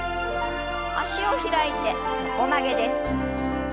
脚を開いて横曲げです。